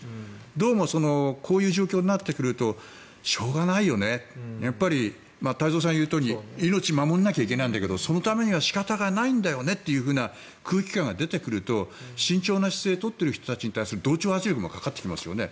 どうもこういう状況になってくるとしょうがないよね太蔵さんが言うように命を守らなきゃいけないんだけどそのためには仕方がないんだよねという空気感が出てくると慎重な姿勢を取っている人たちに対する同調圧力もかかってきますよね。